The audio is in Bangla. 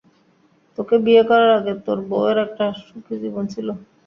তোকে বিয়ে করার আগে তোর বউয়ের একটা সুখী জীবন ছিল।